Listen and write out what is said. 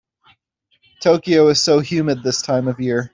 Tokyo is so humid this time of year.